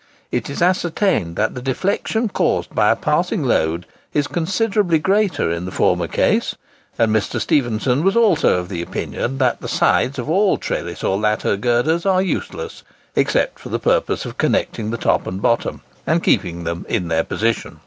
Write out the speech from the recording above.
It is ascertained that the deflection caused by a passing load is considerably greater in the former case; and Mr. Stephenson was also of opinion that the sides of all trellis or lattice girders are useless, except for the purpose of connecting the top and bottom, and keeping them in their position.